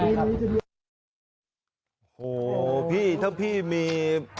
โอ้โฮพี่ถ้ามี